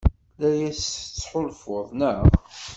La as-tettḥulfuḍ, naɣ?